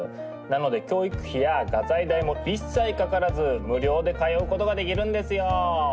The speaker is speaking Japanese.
なので教育費や画材代も一切かからず無料で通うことができるんですよ。